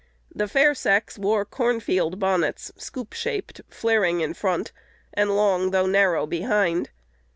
The fair sex wore "cornfield bonnets, scoop shaped, flaring in front, and long though narrow behind."